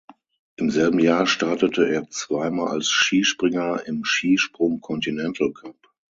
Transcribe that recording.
Im selben Jahr startete er zweimal als Skispringer im Skisprung-Continental-Cup.